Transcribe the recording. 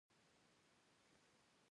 د محبت نوې دنيا لټوم